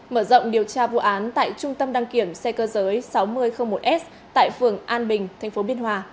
mở rộng điều tra vụ án tại trung tâm đăng kiểm xe cơ giới sáu nghìn một s tại phường an bình tp biên hòa